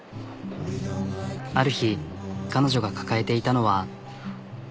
ある日彼女が抱えていたのは。